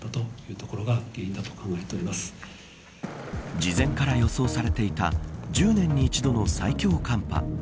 事前から予想されていた１０年に一度の最強寒波。